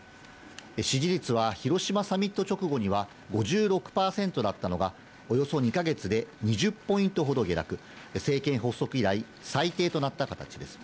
支持率は広島サミット直後には５６％だったのが、およそ２か月で２０ポイントほど下落、政権発足以来最低となった形です。